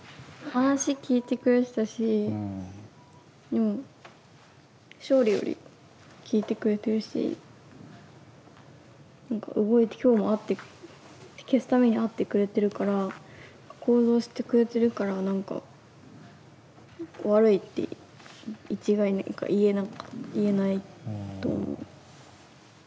話聞いてくれてたしでも勝利より聞いてくれてるしなんか動いて今日も会って消すために会ってくれてるから行動してくれてるからなんか悪いって一概に言えなかった言えないと思う。